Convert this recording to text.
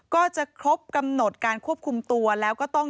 ก็จะครบกำหนดการควบคุมตัวแล้วก็ต้อง